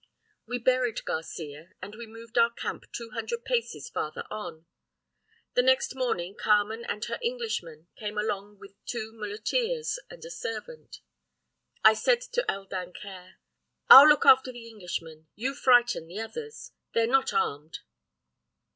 "We buried Garcia, and we moved our camp two hundred paces farther on. The next morning Carmen and her Englishman came along with two muleteers and a servant. I said to El Dancaire: "'I'll look after the Englishman, you frighten the others they're not armed!